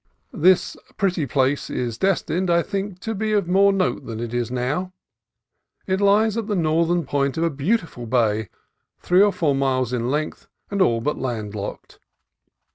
This pretty place is destined, I think, to be of more note than it is now. It lies at the northern point of a beautiful bay, three or four miles in length and all but landlocked.